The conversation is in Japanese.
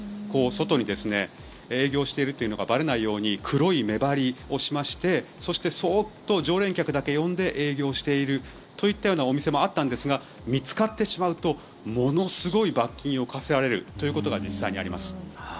外に営業しているというのがばれないように黒い目張りをしましてそして、そっと常連客だけ呼んで営業しているというようなお店もあったんですが見つかってしまうとものすごい罰金を科せられるということが実際にあります。